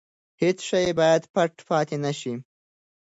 هیڅ شی باید پټ پاتې نه شي.